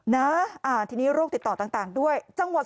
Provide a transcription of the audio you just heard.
นะทีนี้โลกติดต่อต่างด้วย